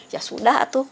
ya sudah tuh